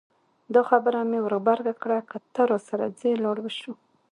دا خبره مې ور غبرګه کړه که ته راسره ځې لاړ به شو.